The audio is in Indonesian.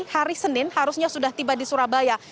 hari senin harusnya sudah tiba di surabaya